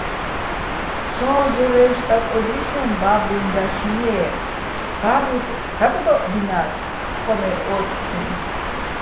სოჼ ზორე́ჲში̆ დაკოდისეჼ ბა́ბუჲჼ დაშნი-ჲე́ ბაბუჲგო̆ დაკდო́ჸდინას ხკო მე ოთთეჼ.